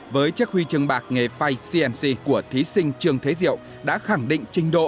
với chiếc huy chương bạc nghề fay cnc của thí sinh trường thế diệu đã khẳng định trình độ